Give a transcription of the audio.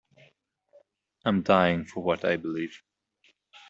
I'm dying for what I believe.